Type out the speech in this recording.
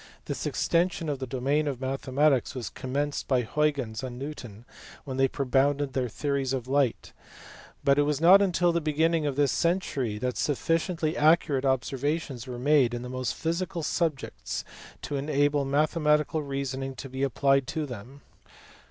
This extension of the domain of mathe matics was commenced by Huygens and Newton when they propounded their theories of light; but it was not until the beginning of this century that sufficiently accurate observations were made in most physical subjects to enable mathematical reasoning to be applied to them.